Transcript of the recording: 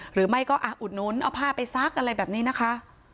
หรือไม่ก็อุดนุนเอาผ้าไปซักอะไรแบบนี้นะคะ